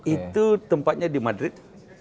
itu tempatnya di madrid